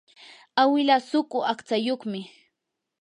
awilaa suqu aqtsayuqmi.